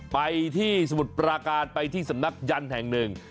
ไปที่สมุทรปราการไปที่สำนักยันต์แห่งหนึ่ง